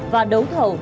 và đấu tranh